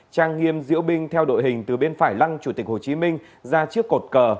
trang nghiêm diễu binh theo đội hình từ bên phải lăng chủ tịch hồ chí minh ra trước cột cờ